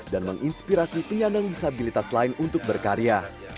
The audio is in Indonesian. dan menginspirasi penyandang disabilitas lain untuk berkarya